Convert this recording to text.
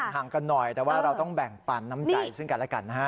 ห่างกันหน่อยแต่ว่าเราต้องแบ่งปันน้ำใจซึ่งกันแล้วกันนะฮะ